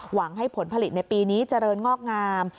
หวังให้ผลผลิตในปีนี้เจริญงอกงาม